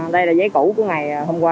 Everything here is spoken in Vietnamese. đây là giấy cũ của ngày hôm qua